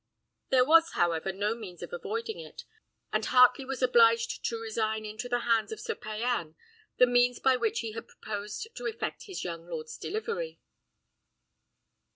There was, however, no means of avoiding it; and Heartley was obliged to resign into the hands of Sir Payan the means by which he had proposed to effect his young lord's delivery.